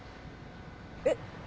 えっ？